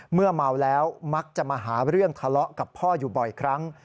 เมาแล้วมักจะมาหาเรื่องทะเลาะกับพ่ออยู่บ่อยครั้ง